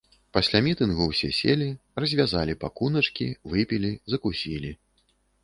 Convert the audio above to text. Пасля мітынгу ўсе селі, развязалі пакуначкі, выпілі, закусілі.